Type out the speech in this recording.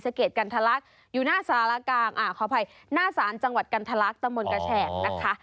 เศรษฐกระแทรกอยู่หน้าสารกลางขอไปหน้าสารจังหวัดกันทรลักษณ์ตะโมนกระแชกนะคะ